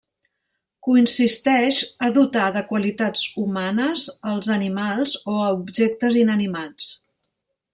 Consisteix a dotar de qualitats humanes als animals o a objectes inanimats.